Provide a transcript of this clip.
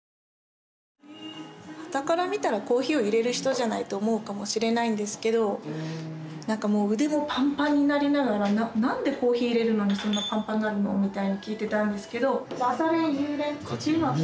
端から見たらコーヒーをいれる人じゃないと思うかもしれないんですけどなんかもう腕もパンパンになりながら何でコーヒーいれるのにそんなパンパンになるの？みたいな聞いてたんですけど。